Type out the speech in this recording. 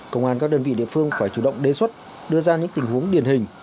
công an các đơn vị địa phương phải chủ động đề xuất đưa ra những tình huống điển hình